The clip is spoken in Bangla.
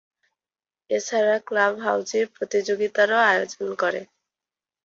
এছাড়া ক্লাব হাউজি প্রতিযোগিতারও আয়োজন করে।